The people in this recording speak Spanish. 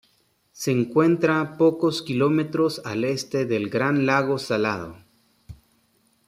Se encuentra pocos kilómetros al este del Gran Lago Salado.